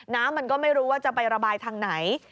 น้ำมันก็ไม่รู้ว่าจะไประบายทางไหน